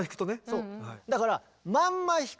そう。